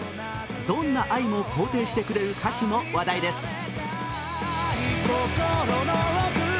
どんな愛も肯定してくれる歌詞も話題です。